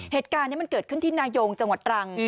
เหตุการณ์นี้มันเกิดขึ้นที่นายงจังหวัดตรัง